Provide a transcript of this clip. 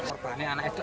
orbannya anak itu